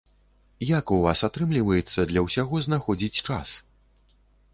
Як у вас атрымліваецца для ўсяго знаходзіць час?